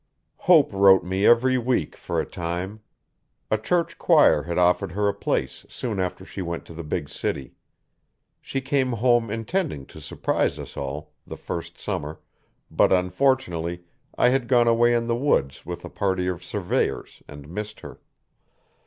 Hope wrote me every week for a time. A church choir had offered her a place soon after she went to the big city. She came home intending to surprise us all, the first summer but unfortunately, I had gone away in the woods with a party of surveyors and missed her.